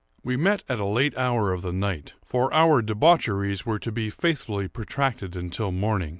We met at a late hour of the night; for our debaucheries were to be faithfully protracted until morning.